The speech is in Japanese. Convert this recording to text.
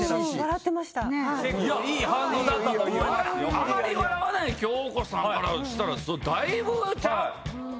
あまり笑わない恭子さんからしたらだいぶちゃう？